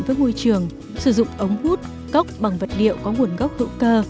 với môi trường sử dụng ống hút cốc bằng vật liệu có nguồn gốc hữu cơ